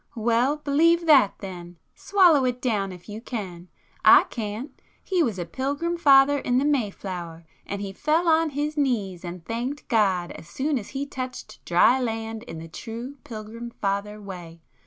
"Well, believe that, then! Swallow it down if you can! I can't! He was a Pilgrim Father in the Mayflower, and he fell on his knees and thanked God as soon as he touched dry land in the true Pilgrim Father way.